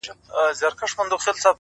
خپل وجدان د پرېکړو لارښود کړئ